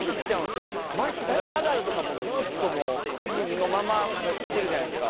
ナダルとかずっともうクズのままきてるじゃないですか。